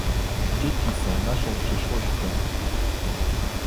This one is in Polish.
Dzieci są naszą przyszłością